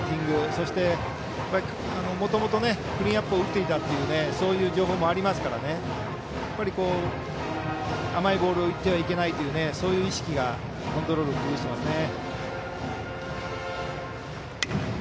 そしてもともとクリーンアップを打っていたというそういう情報もありますから甘いボールがきてはいけないそういう意識がコントロールに響いていますね。